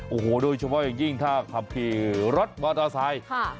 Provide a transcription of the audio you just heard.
โอ้โหโดยเฉพาะอย่างยิ่งถ้าขับขี่รถมอเตอร์ไซค์